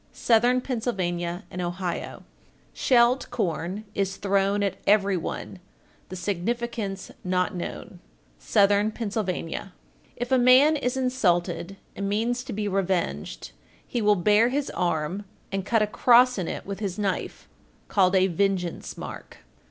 Southern Pennsylvania and Ohio. 1403. Shelled corn is thrown at every one the significance not known. Southern Pennsylvania. 1404. If a man is insulted and means to be revenged, he will bare his arm and cut a cross in it with his knife, called a "vengeance mark."